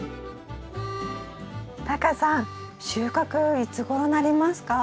タカさん収穫いつごろになりますか？